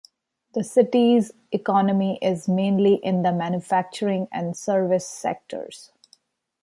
The city's economy is mainly in the manufacturing and service sectors.